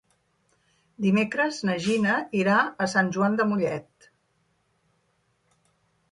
Dimecres na Gina irà a Sant Joan de Mollet.